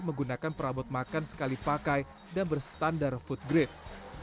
menggunakan perabot makan sekali pakai dan berstandar food grade